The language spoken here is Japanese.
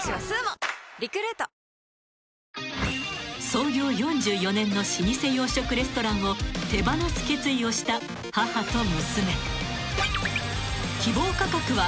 ［創業４４年の老舗洋食レストランを手放す決意をした母と娘］